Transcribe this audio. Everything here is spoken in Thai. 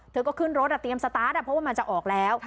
เธอก็ขึ้นรถเตรียมสตาร์ทเพราะว่ามันจะออกแล้ว